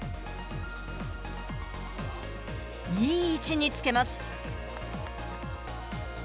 いい位置につけます。